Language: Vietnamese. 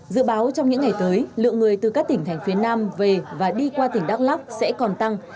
dự báo trong những ngày tới lượng người từ các tỉnh thành phía nam về và đi qua tỉnh đắk lắc sẽ còn tăng